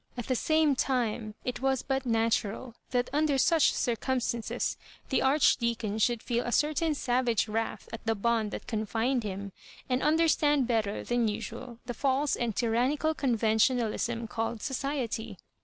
At the same time, it was but natural that under such, circumstances the Archdeacon i^ould feel a cer tain savage wrath at the bond that eonfined him, and understand better than usual the false and tyrannical conventionalism called society.